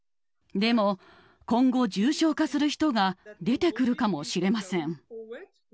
でも今後、重症化する人が出てくるかもしれません。